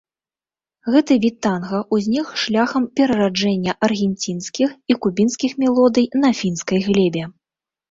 Гэты від танга ўзнік шляхам перараджэння аргенцінскіх і кубінскіх мелодый на фінскай глебе.